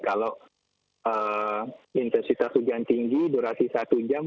kalau intensitas hujan tinggi durasi satu jam